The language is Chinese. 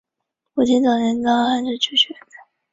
武亭早年到汉城求学。